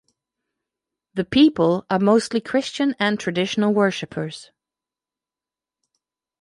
The people are mostly Christian and traditional worshippers.